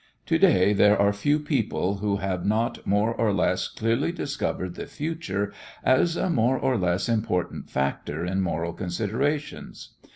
To day there are few people who have not more or less clearly discovered the future as a more or less important factor in moral considerations.